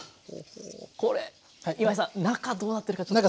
これ今井さん中どうなってるかちょっと。